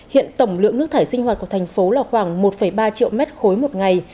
hiện tổng lượng nước thải sinh hoạt của thành phố là khoảng một ba triệu mét khối một ngày